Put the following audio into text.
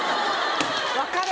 分かる。